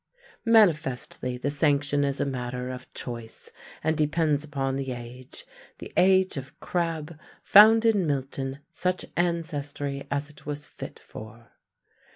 Manifestly the sanction is a matter of choice, and depends upon the age: the age of Crabbe found in Milton such ancestry as it was fit for.